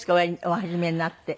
お始めになって。